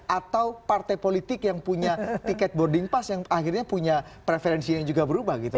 atau partai politik yang punya tiket boarding pass yang akhirnya punya preferensi yang juga berubah gitu